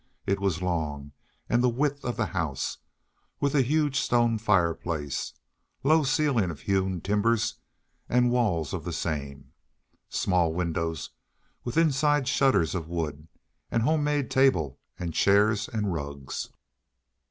It was long, and the width of the house, with a huge stone fireplace, low ceiling of hewn timbers and walls of the same, small windows with inside shutters of wood, and home made table and chairs and rugs.